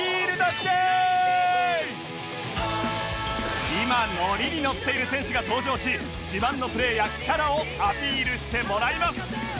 ッている選手が登場し自慢のプレーやキャラをアピールしてもらいます